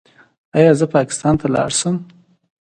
ایا زه پاکستان ته لاړ شم؟